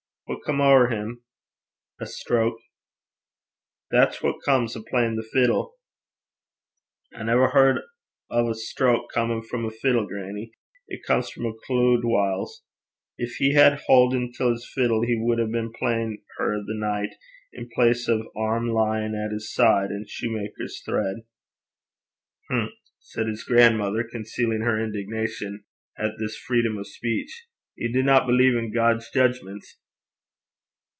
'What's come ower him?' 'A stroke.' 'That's what comes o' playin' the fiddle.' 'I never heard o' a stroke comin' frae a fiddle, grannie. It comes oot o' a clood whiles. Gin he had hauden till 's fiddle, he wad hae been playin' her the nicht, in place o' 's airm lyin' at 's side like a lang lingel (ligneul shoemaker's thread).' 'Hm!' said his grandmother, concealing her indignation at this freedom of speech, 'ye dinna believe in God's judgments!'